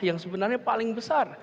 yang sebenarnya paling besar